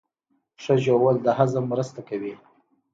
ښه ژوول د هضم مرسته کوي